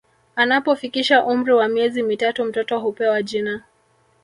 Anapofikisha umri wa miezi mitatu mtoto hupewa jina